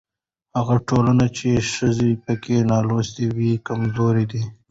هغه ټولنه چې ښځې پکې نالوستې وي کمزورې ده.